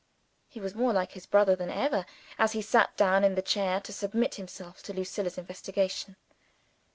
He was more like his brother than ever, as he sat down in the chair to submit himself to Lucilla's investigation.